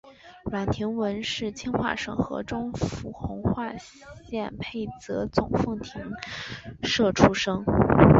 阮廷闻是清化省河中府弘化县沛泽总凤亭社出生。